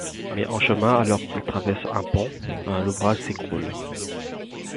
Mais en chemin, alors qu'il traverse un pont, l'ouvrage s'écroule.